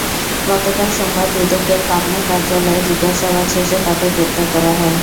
গতকাল সোমবার দুদকের পাবনা কার্যালয়ে জিজ্ঞাসাবাদ শেষে তাঁদের গ্রেপ্তার করা হয়।